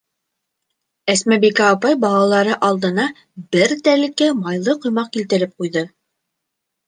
Әсмәбикә апай балалары алдына бер тәрилкә майлы ҡоймаҡ килтереп ҡуйҙы.